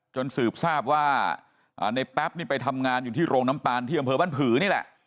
สืบทราบว่าในแป๊บนี่ไปทำงานอยู่ที่โรงน้ำตาลที่อำเภอบ้านผือนี่แหละ